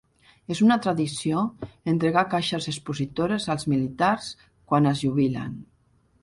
És una tradició entregar caixes expositores als militars quan es jubilen.